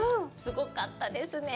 すごかったですね。